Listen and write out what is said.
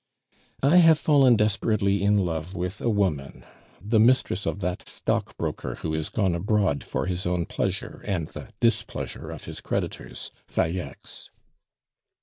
"I have fallen desperately in love with a woman the mistress of that stockbroker who is gone abroad for his own pleasure and the displeasure of his creditors Falleix."